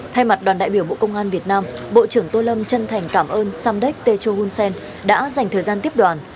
thay mặt đoàn đại biểu bộ công an việt nam bộ trưởng tô lâm chân thành cảm ơn samdek techo hunsen đã dành thời gian tiếp đoàn